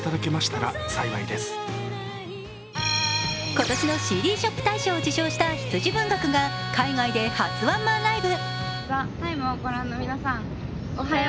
今年のＣＤショップ大賞を受賞した羊文学が海外で初ワンマンライブ。